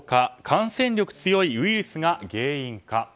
感染力強いウイルスが原因か。